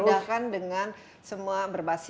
dan dipermudahkan dengan semua berbasis data